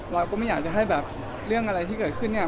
เราก็ไม่อยากจะให้แบบเรื่องอะไรที่เกิดขึ้นเนี่ย